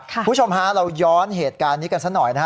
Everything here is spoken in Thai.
คุณผู้ชมฮะเราย้อนเหตุการณ์นี้กันซะหน่อยนะฮะ